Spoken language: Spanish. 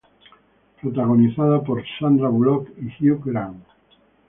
Protagonizada por Sandra Bullock y Hugh Grant.